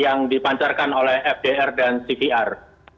yang dipancarkan oleh fdr dan cvr